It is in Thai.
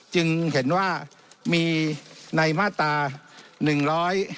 จึงเห็นว่ามีในมาตร๑๑๒